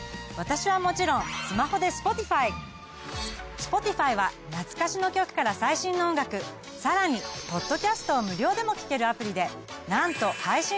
Ｓｐｏｔｉｆｙは懐かしの曲から最新の音楽さらにポッドキャストを無料でも聞けるアプリでなんと配信楽曲は邦楽含め８，０００万